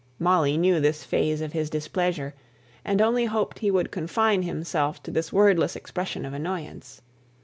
Molly knew this phase of his displeasure, and only hoped he would confine himself to this wordless expression of annoyance.